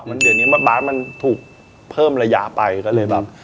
มันเดือนนี้บาทมันถูกเพิ่มระยะไปก็เลยแบบ